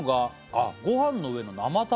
ああ「ごはんの上の生卵」